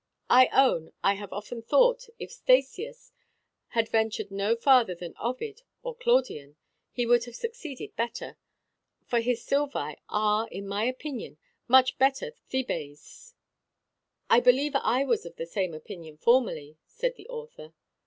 I own, I have often thought, if Statius had ventured no farther than Ovid or Claudian, he would have succeeded better; for his Sylvae are, in my opinion, much better than his Thebais." "I believe I was of the same opinion formerly," said the author.